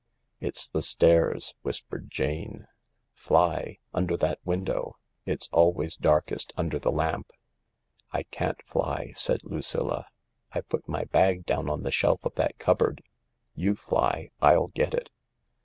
"It's the stairs," whispered Jane. "Fly— under that window. It's always darkest under the lamp." " I can't fly," said Lucilla. " I put my bag down on the shelf of that cupboard. You fly. I'll get it."